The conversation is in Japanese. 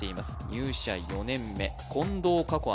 入社４年目近藤夏子